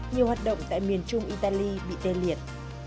nhiều hoạt động tại miền trung italy bị tê liệt